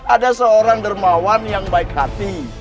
ada seorang dermawan yang baik hati